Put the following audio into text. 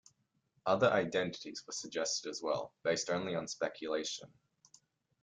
Other identities were suggested as well, based only on speculation.